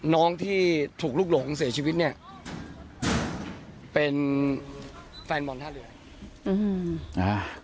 น้องที่ถูกลุกหลงเสียชีวิตเนี่ยเป็นแฟนบอลท่าเรืออืมนะฮะ